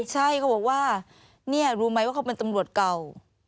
ใช่เขาบอกว่าเนี่ยรู้ไหมว่าเขาเป็นตำรวจเก่า